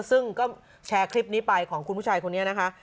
ซึ่งก็แชร์คลิปนี้ไปของคุณผู้ชายคนนี้นะคะ